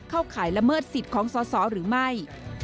ข่ายละเมิดสิทธิ์ของสอสอหรือไม่